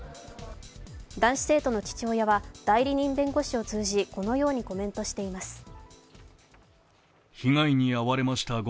男子生徒の父親は代理人弁護士を通じこのようにコメントしています。